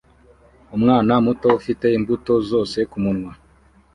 Umwana muto ufite imbuto zose kumunwa